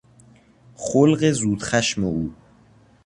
خلق زود خشم او